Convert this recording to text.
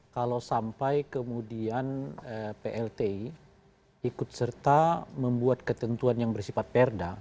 kalau sampai kemudian plt ikut serta membuat ketentuan yang bersifat perda